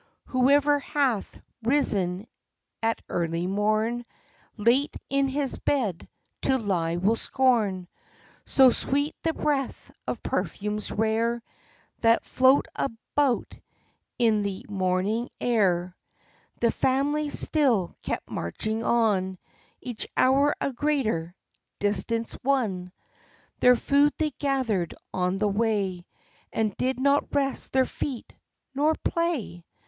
Whoever hath risen at early morn, Late in his bed to lie will scorn, — So sweet the breath of perfumes rare, That float about in the morning air. The family still kept marching on; Each hour a greater distance won. 74 THE LITE AND ADVENTURES Their food they gathered on the way, And did not rest their feet, nor play.